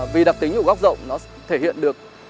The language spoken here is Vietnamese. vì đặc tính của góc rộng nó thể hiện được